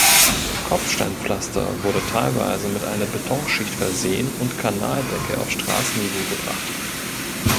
Kopfsteinpflaster wurde teilweise mit einer Betonschicht versehen und Kanaldeckel auf Straßenniveau gebracht.